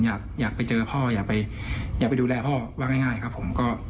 อยากไปเจอพ่ออยากไปดูแลพ่อว่าง่ายครับผมก็